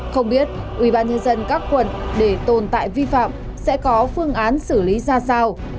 không biết ủy ban nhân dân các quận để tồn tại vi phạm sẽ có phương án xử lý ra sao